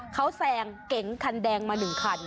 เขาแซงเก๋งคันแดงมาหนึ่งคันค่ะ